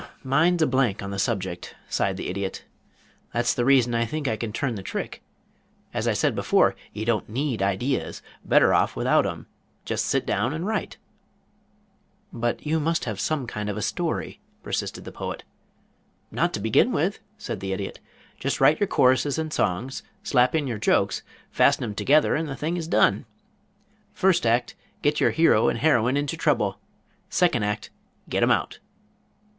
"Mind's a blank on the subject," sighed the Idiot. "That's the reason I think I can turn the trick. As I said before, you don't need ideas. Better off without 'em. Just sit down and write." "But you must have some kind of a story," persisted the Poet. "Not to begin with," said the Idiot. "Just write your choruses and songs, slap in your jokes, fasten 'em together, and the thing is done. First act, get your hero and heroine into trouble. Second act, get 'em out."